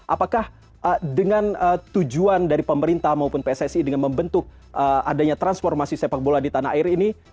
apakah dengan tujuan dari pemerintah maupun pssi dengan membentuk adanya transformasi sepak bola di tanah air ini